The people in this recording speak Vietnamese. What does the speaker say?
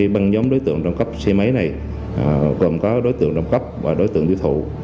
ban nhóm đối tượng trong cấp xe máy này gồm có đối tượng trong cấp và đối tượng tiêu thụ